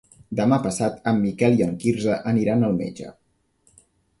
Demà passat en Miquel i en Quirze aniran al metge.